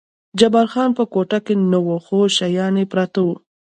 جبار خان په کوټه کې نه و، خو شیان یې پراته و.